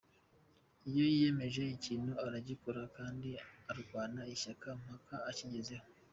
Iyo yiyemeje ikintu aragikora kandi arwana ishyaka mpaka akigezeho.